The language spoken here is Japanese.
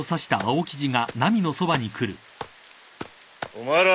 お前ら。